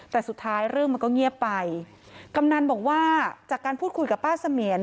แต่สุดท้ายเรื่องมันก็เงียบไปกำนันบอกว่าจากการพูดคุยกับป้าเสมียน